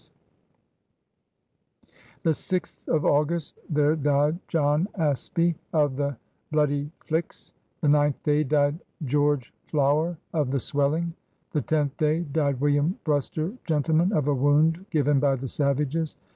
JAMESTOWN 87 The sixth of Auguat there died John Asbie of the bloodie Fli^^. The ninth day died George Flowre of the swelling. The tenth day died William Bmster gentleman, of a wound given by the Savages.